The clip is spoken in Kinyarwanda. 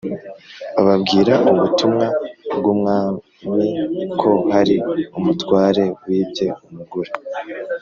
bababwira ubutumwa bwumami ko hari umutware wibye umugore